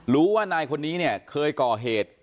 รู้ว่านายคนนี้เนี่ยเคยก่อเหตุ